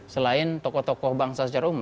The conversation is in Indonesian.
selain tokoh tokoh bangsa secara umum